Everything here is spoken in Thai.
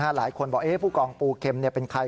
หลายคนบอกผู้กองปูเข็มเป็นใคร